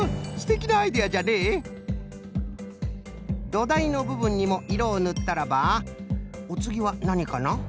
どだいのぶぶんにもいろをぬったらばおつぎはなにかな？